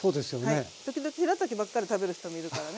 時々しらたきばっかり食べる人もいるからね。